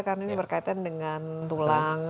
karena ini berkaitan dengan tulang